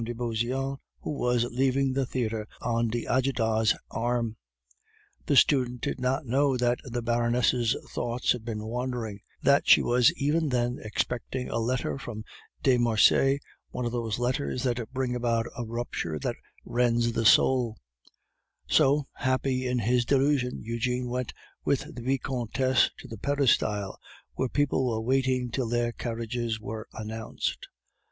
de Beauseant, who was leaving the theatre on d'Ajuda's arm. The student did not know that the Baroness' thoughts had been wandering; that she was even then expecting a letter from de Marsay, one of those letters that bring about a rupture that rends the soul; so, happy in his delusion, Eugene went with the Vicomtesse to the peristyle, where people were waiting till their carriages were announced.